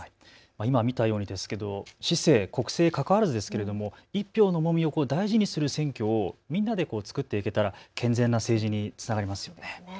今見たように市政、国政、かかわらず１票の重みを大事にする選挙をみんなで作っていけたら健全な政治につながりますよね。